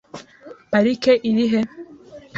Parike iri he?